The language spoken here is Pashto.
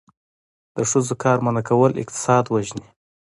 د ښځو کار منع کول اقتصاد وژني.